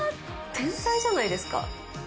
天才じゃないですか。